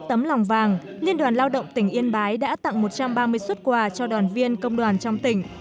tấm lòng vàng liên đoàn lao động tỉnh yên bái đã tặng một trăm ba mươi xuất quà cho đoàn viên công đoàn trong tỉnh